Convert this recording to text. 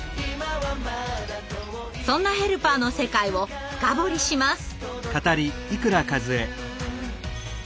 そんなヘルパーの世界を深掘りします。